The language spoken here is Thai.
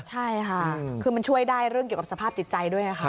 ใช่ค่ะคือมันช่วยได้เรื่องเกี่ยวกับสภาพจิตใจด้วยค่ะ